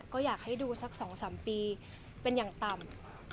ก็อยากให้ดูสัก๒๓ปีเป็นอย่างต่ำ